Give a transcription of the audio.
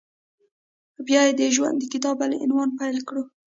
بیا یې د ژوند د کتاب بل عنوان پیل کېږي…